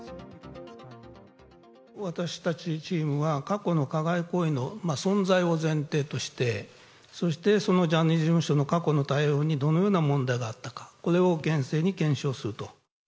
私たちチームは、過去の加害行為の存在を前提として、そしてそのジャニーズ事務所の過去の対応にどのような問題があったか、これを厳正に検証すると。